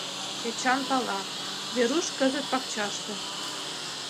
Эчан пала: Веруш кызыт пакчаште.